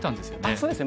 そうですね